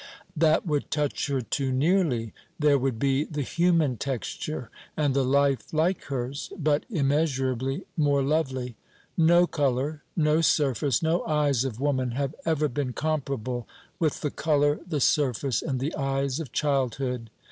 That would touch her too nearly. There would be the human texture and the life like hers, but immeasurably more lovely. No colour, no surface, no eyes of woman have ever been comparable with the colour, the surface, and the eyes of childhood.